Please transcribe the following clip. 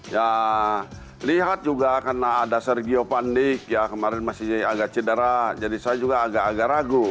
ya lihat juga karena ada sergio panik ya kemarin masih agak cedera jadi saya juga agak agak ragu